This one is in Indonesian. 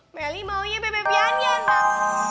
meli maunya bebe pianian mbak